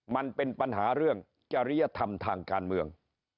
มันเป็นปัญหาเรื่องจริยธรรมทางการเมือง